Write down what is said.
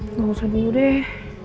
tsk gak usah dulu deh